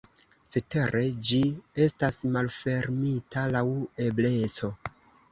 Cetere ĝi estas malfermita laŭ ebleco.